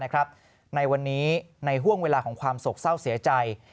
ในวันนี้ในห่วงเวลาของความโศกเศร้าเสียใจ